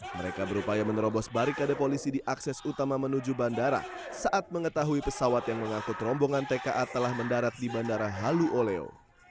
mereka berupaya menerobos barikade polisi di akses utama menuju bandara saat mengetahui pesawat yang mengangkut rombongan tka telah mendarat di bandara halu oleo